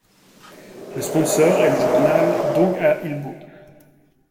Le sponsor est le journal Dong-a Ilbo.